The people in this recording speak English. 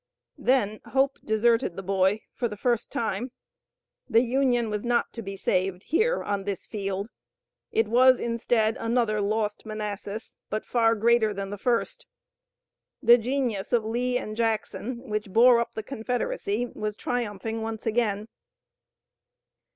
Then hope deserted the boy for the first time. The Union was not to be saved here on this field. It was instead another lost Manassas, but far greater than the first. The genius of Lee and Jackson which bore up the Confederacy was triumphing once again.